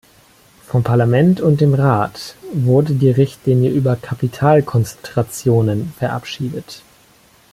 Vom Parlament und dem Rat wurde die Richtlinie über Kapitalkonzentrationen verabschiedet.